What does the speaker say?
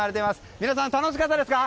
皆さん、楽しかったですか？